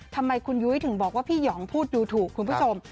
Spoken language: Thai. ทำไมคุณยุ้ยถึงบอกว่าพี่หยองพูดดูถูกคุณผู้ชม